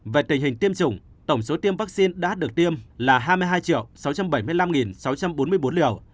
về tình hình tiêm chủng tổng số tiêm vaccine đã được tiêm là hai mươi hai sáu trăm bảy mươi năm sáu trăm bốn mươi bốn liều